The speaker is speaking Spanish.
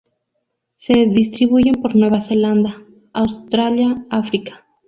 Se distribuyen por Nueva Zelanda, Australia África.